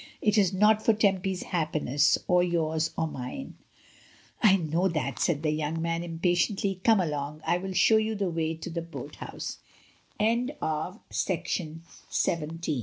It is not for Tempy's happiness or yours or mine." "I know that," said the young man impatiently. "Come along, I will show you the way to the boat house." rmasE on a hill side. 239 CHAPTER X.